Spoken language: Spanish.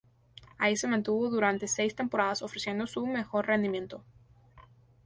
Allí se mantuvo durante seis temporadas ofreciendo su mejor rendimiento.